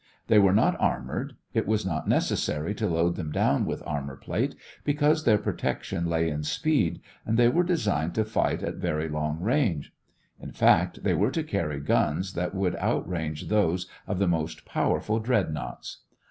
They were not armored; it was not necessary to load them down with armor plate, because their protection lay in speed and they were designed to fight at very long range. In fact, they were to carry guns that would outrange those of the most powerful dreadnoughts.